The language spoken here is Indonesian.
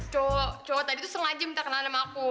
cowok cowok tadi tuh sengaja minta kenal sama aku